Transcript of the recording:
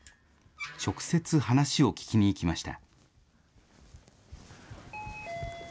直接話を聞きに行きました。